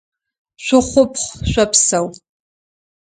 Шъухъупхъ, шъопсэу!